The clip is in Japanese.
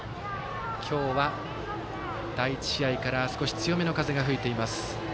今日は第１試合から少し強めの風が吹いています。